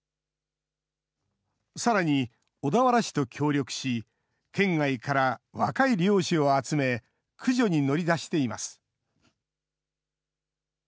さらに、小田原市と協力し、県外から若い猟師を集め、駆除に乗り出しています。